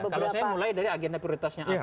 kalau saya mulai dari agenda prioritasnya apa